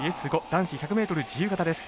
男子１００ｍ自由形です。